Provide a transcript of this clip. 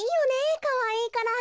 かわいいから。